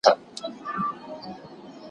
کيسه ييز کتابونه د خلکو مينه راپاروي.